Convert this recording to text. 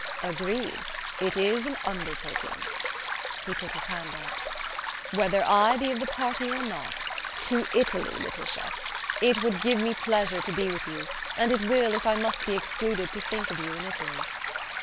"Agreed. It is an undertaking." He put his hand out. "Whether I be of the party or not! To Italy, Laetitia! It would give me pleasure to be with you, and it will, if I must be excluded, to think of you in Italy."